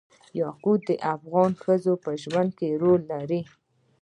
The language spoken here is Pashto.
یاقوت د افغان ښځو په ژوند کې رول لري.